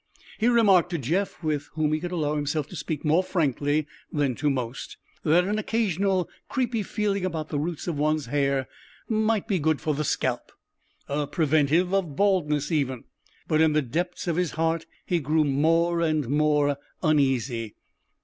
He remarked to Jeff with whom he could allow himself to speak more frankly than to most that an occasional creepy feeling about the roots of one's hair might be good for the scalp, a preventive of baldness even. But in the depths of his heart he grew more and more uneasy.